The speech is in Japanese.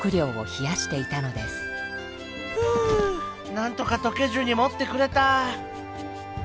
なんとかとけずにもってくれた！